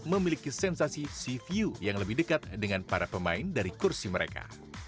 memiliki sensasi sea view yang lebih dekat dengan para pemain dari kursi mereka